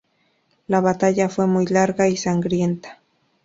La batalla fue muy larga y sangrienta.